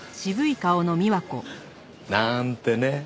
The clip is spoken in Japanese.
なーんてね。